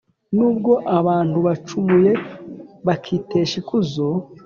Nubwo abantu bacumuye bakitesha ikuzo